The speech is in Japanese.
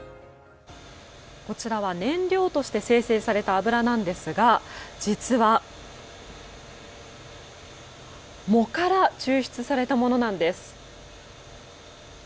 こちらは燃料として精製された油なんですが実は藻から抽出されたものなんです。